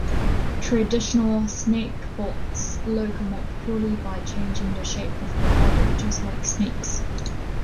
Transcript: Traditional snakebots locomote purely by changing the shape of their body, just like snakes.